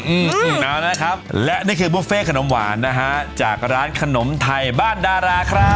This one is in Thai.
อืมเอานะครับและนี่คือบุฟเฟ่ขนมหวานนะฮะจากร้านขนมไทยบ้านดาราครับ